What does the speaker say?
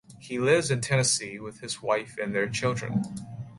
He lives in Tennessee with his wife and their children.